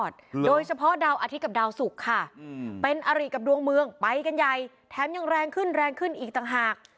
โดยเฉพาะดาวอาทิตย์กับดาวสุกค่ะเป็นอริกับดวงเมืองไปกันใหญ่แถมยังแรงขึ้นแรงขึ้นอีกต่างหาก